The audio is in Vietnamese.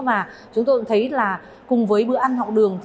và chúng tôi cũng thấy là cùng với bữa ăn học đường